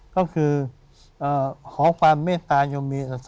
ก็คือขอความเมตตายงมี